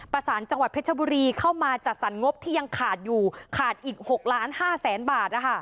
ประสานจังหวัดเพชรบุรีเข้ามาจัดสรรงบที่ยังขาดอยู่ขาดอีก๖ล้าน๕แสนบาท